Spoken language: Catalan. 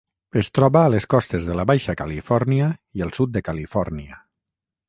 Es troba a les costes de la Baixa Califòrnia i el sud de Califòrnia.